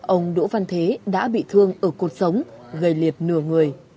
ông đỗ văn thế đã bị thương ở cuộc sống gây liệt nửa người